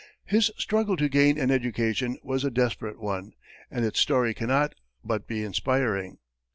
His struggle to gain an education was a desperate one, and its story cannot but be inspiring.